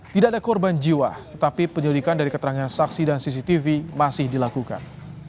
tidak ada korban jiwa tetapi penyelidikan dari keterangan saksi dan cctv masih dilakukan